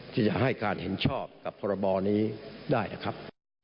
ที่จะให้การเห็นชอบกับพรบนี้ได้นะครับ